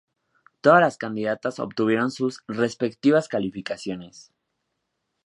Todas las candidatas obtuvieron sus respectivas calificaciones